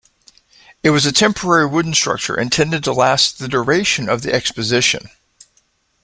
It was a temporary wooden structure intended to last the duration of the Exposition.